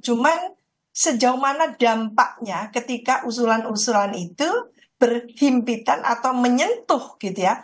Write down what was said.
cuman sejauh mana dampaknya ketika usulan usulan itu berhimpitan atau menyentuh gitu ya